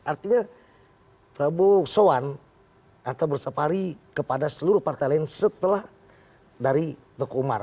artinya prabowo soan atau bersapari kepada seluruh partai lain setelah dari tekumar